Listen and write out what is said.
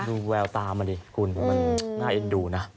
ดูแววตามันดิคุณมันน่าเอ็นดูนะ